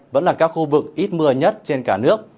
vẫn là các khu vực ít mưa nhất trên cả nước